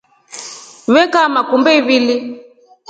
Vee kaama kumbe ivili.